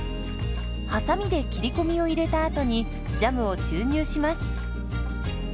はさみで切り込みを入れたあとにジャムを注入します。